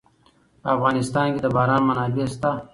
په افغانستان کې د باران منابع شته.